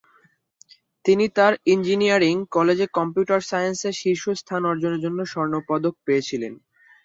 তিনি তাঁর ইঞ্জিনিয়ারিং কলেজে কম্পিউটার সায়েন্সে শীর্ষ স্থান অর্জনের জন্য স্বর্ণপদক পেয়েছিলেন।